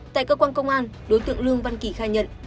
tại cơ quan công an đối tượng lương văn kỳ khai nhận